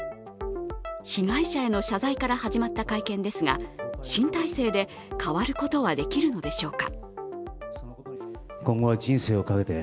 被害者への謝罪から始まった会見ですが新体制で変わることはできるのでしょうか。